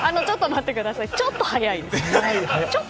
ちょっと早いです。